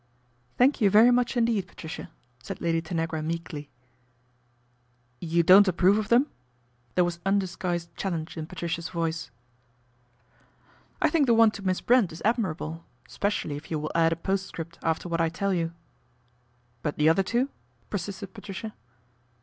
'' Thank you very much indeed, Patricia," said Lady Tanagra meekly. ' You don't approve of them ?" There was undisguised challenge in Patricia's voice. " I think the one to Miss Brent is admirable, specially if you will add a postscript after what I tell you." " But the other two," persisted Patricia.